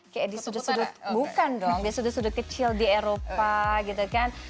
kayak di sudut sudut bukan dong di sudut sudut kecil di eropa gitu kan